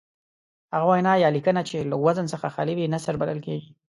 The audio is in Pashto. هغه وینا یا لیکنه چې له وزن څخه خالي وي نثر بلل کیږي.